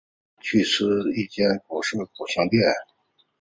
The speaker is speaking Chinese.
跑去吃一间古色古香的店